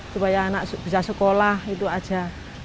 supaya anak bisa sekolah itu aja